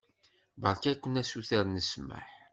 Beṛka-ken asuter n ssmaḥ.